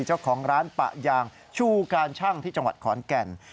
เจ้าของร้านปะยางชูการชั่งที่จังหวัดขอนแก่น